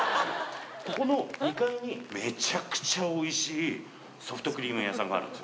ここの２階に、めちゃくちゃおいしいソフトクリーム屋さんがあるんです。